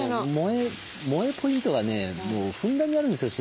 萌えポイントがねもうふんだんにあるんですよ